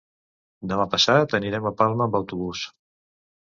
Demà passat anirem a Palma amb autobús.